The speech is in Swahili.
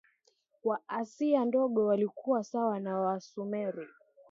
wa Asia Ndogo walikuwa sawa na Wasumeri